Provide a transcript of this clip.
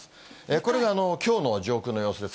これがきょうの上空の様子です。